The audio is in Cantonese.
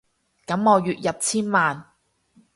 噉我月入千萬